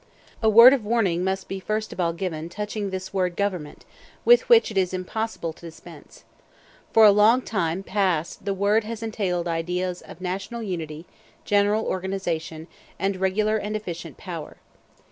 A word of warning must be first of all given touching this word government, with which it is impossible to dispense. For a long time past the word has entailed ideas of national unity, general organization, and regular and efficient power.